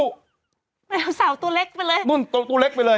ไดโนเสาร์ตัวเล็กไปเลย